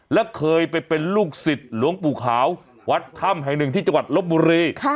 และเคยไปเป็นลูกศิษย์หลวงปู่ขาววัดถ้ำแห่งหนึ่งที่จังหวัดลบบุรี